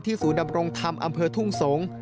ศูนย์ดำรงธรรมอำเภอทุ่งสงศ์